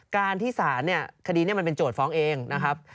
การที่ศาลเนี่ยคดีนี้มันเป็นโจทย์ฟ้องเองนะครับ